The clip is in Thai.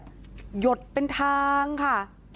หยดเป็นทางค่ะ